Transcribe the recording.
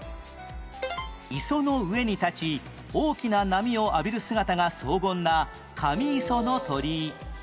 磯の上に立ち大きな波を浴びる姿が荘厳な神磯の鳥居